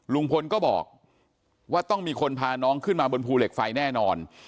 ลุงพลก็บอกว่าต้องมีคนพาน้องขึ้นมาบนภูเหล็กไฟแน่นอน